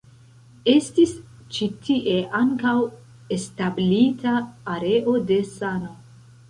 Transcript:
Estis ĉi tie ankaŭ establita areo de sano.